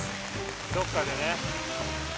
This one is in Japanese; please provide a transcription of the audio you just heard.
どっかでね。